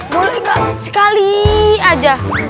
boleh nggak sekali aja